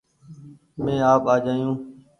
مينٚ آپ آجآيو